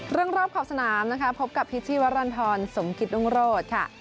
รอบขอบสนามนะคะพบกับพิชชีวรรณฑรสมกิตรุงโรธค่ะ